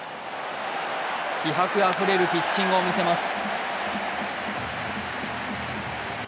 気迫あふれるピッチングを見せます。